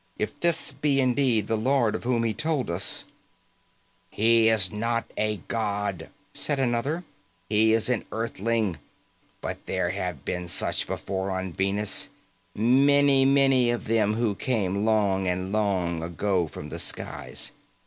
"If this be indeed the Lord of whom he told us " "He is not a god," said another. "He is an Earthling, but there have been such before on Venus, many many of them who came long and long ago from the skies.